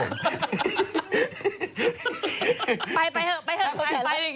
ไปเผาจ่ายได้อย่างนี้